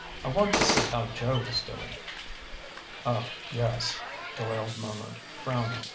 I want to see how Joe is doing." "Oh, yes," Doyle murmured, frowning.